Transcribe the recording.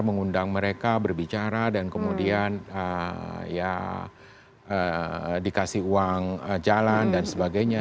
mengundang mereka berbicara dan kemudian ya dikasih uang jalan dan sebagainya